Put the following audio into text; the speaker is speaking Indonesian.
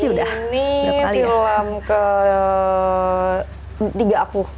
ini film ke tiga aku